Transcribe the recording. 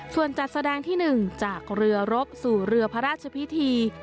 ส่วนจัดแสดงที่๑จากเรือรบสู่เรือพระราชพิธี